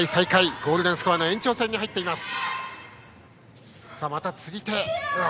ゴールデンスコアの延長戦に入っています。